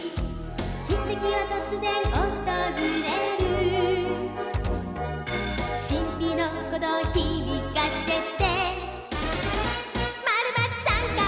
「奇跡はとつぜんおとずれる」「しんぴのこどうひびかせて」「○×△」